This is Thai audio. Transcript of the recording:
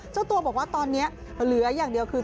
เจ้าตัวบอกว่าตอนนี้เหลืออย่างเดียวคือ